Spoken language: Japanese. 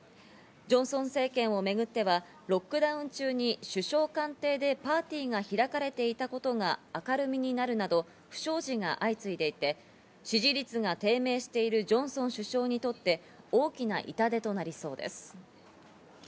ジョンソン政権をめぐってはロックダウン中に首相官邸でパーティーが開かれていたことが明るみになるなど不祥事が相次いでいて、支持率が低迷しているジョンソン首相にとって大きな痛手となりそうです。